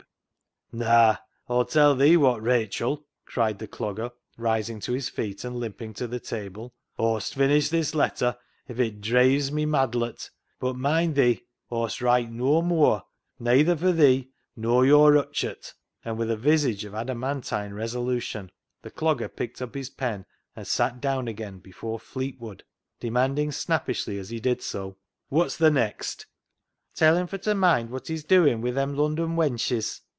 " 238 CLOG SHOP CHRONICLES " Naa, Aw'll tell thee wot, Rachel," cried the Clogger, rising to his feet and limping to the table, " Aw'st finish this letter, if it dreives me maddlet ; but, mind thee, Aw'st write noa mooar, nayther fur thee nor yo'r Rutchart." And with a visage of adamantine resolu tion, the Clogger picked up his pen and sat down again before " Fleetwood," demanding snappishly as he did so —" Wot's th' next ?"" Tell him fur t' moind wot he's doin' wi' them Lundon wenches.